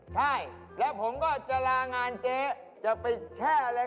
ใช่แล้วผมก็จะลางานเจ๊จะไปแช่อะไร